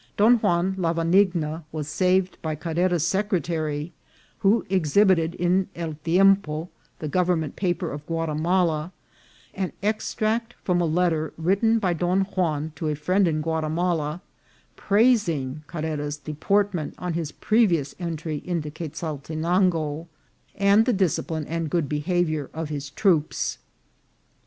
Don Juan Lavanigna was saved by Carrera's secretary, who exhibited in El Tiempo, the government paper of Gua timala, an extract from a letter written by Don Juan to a friend in Guatimala, praising Carrera's deportment on his previous entry into Quezaltenango, and the disci pline and good behaviour of his troops.